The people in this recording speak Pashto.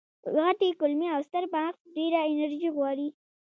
غټې کولمې او ستر ماغز ډېره انرژي غواړي.